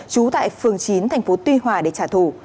trú tại phường chín tp tuy hòa để trả thù